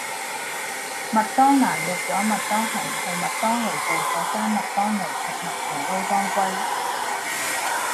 麥當娜約左麥當雄去麥當勞道個間麥當勞食麥皮撈當歸